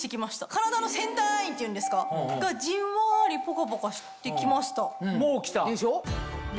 体のセンターラインっていうんですか？がじんわりポカポカして来ました。